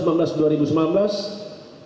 tentu kita harus mengatur peraturan presiden